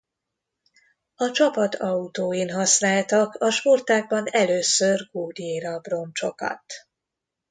A csapat autóin használtak a sportágban először Goodyear abroncsokat.